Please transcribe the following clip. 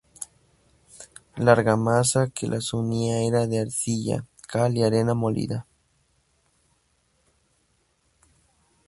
La argamasa que las unía era de arcilla, cal y arena molida.